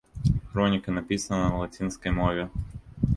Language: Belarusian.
Хроніка напісана на лацінскай мове.